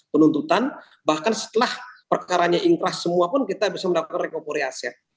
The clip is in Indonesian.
penuntutan bahkan setelah perkaranya ingkrah semua pun kita bisa melakukan recopori aset